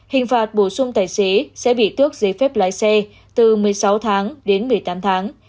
hình phạt bổ sung tài xế sẽ bị tước giấy phép lái xe từ một mươi sáu tháng đến một mươi tám tháng